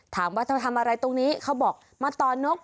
ถามว่าเธอทำอะไรตรงนี้เขาบอกมาต่อนก